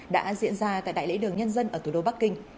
đã diễn ra tại đại lễ đường nhân dân ở thủ đô bắc kinh